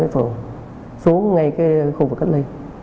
phường xuống ngay cái khu vực cách ly